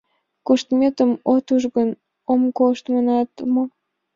Коштметым от уж гын, ом кошт манат мо?